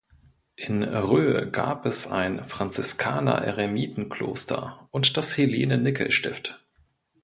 In Röhe gab es ein Franziskaner-Eremiten-Kloster und das Helene-Nickel-Stift.